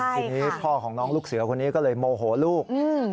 ทีนี้พ่อของน้องลูกเสือคนนี้ก็เลยโมโหลูก